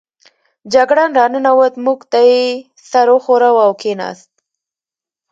جګړن را ننوت، موږ ته یې سر و ښوراوه او کېناست.